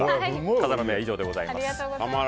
笠原の眼は以上でございます。